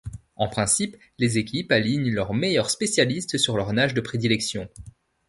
En principe, les équipes alignent leurs meilleurs spécialistes sur leurs nages de prédilection.